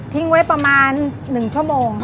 ทิ้งไว้ประมาณ๑ชั่วโมงค่ะ